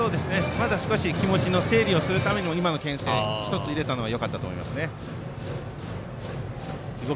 少し気持ちの整理をするためにも、けん制を１つ入れたのはよかったと思います。